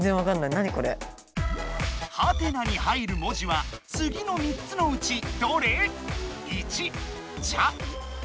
「？」に入る文字はつぎの３つのうちどれ？